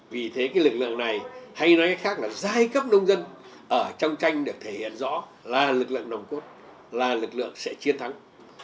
vì thế cái lực lượng này hay nói khác là giai cấp nông dân ở trong tranh được thể hiện rõ là lực lượng nồng cốt là lực lượng sẽ chiến thắng